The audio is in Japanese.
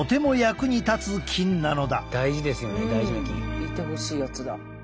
いてほしいやつだ。